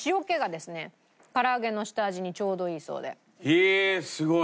へえーすごい！